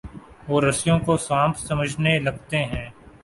وہ رسیوں کو سانپ سمجھنے لگتے ہیں۔